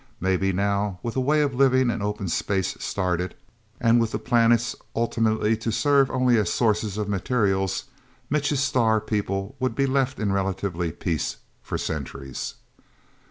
Maybe, now, with a way of living in open space started, and with the planets ultimately to serve only as sources of materials, Mitch's star people would be left in relative peace for centuries.